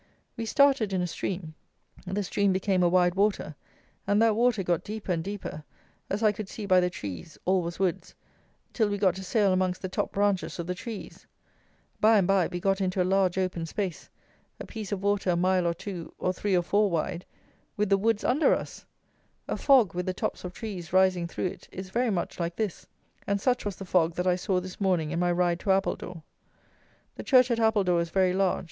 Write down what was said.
We started in a stream; the stream became a wide water, and that water got deeper and deeper, as I could see by the trees (all was woods), till we got to sail amongst the top branches of the trees. By and by we got into a large open space; a piece of water a mile or two, or three or four wide, with the woods under us! A fog, with the tops of trees rising through it, is very much like this; and such was the fog that I saw this morning in my ride to Appledore. The church at Appledore is very large.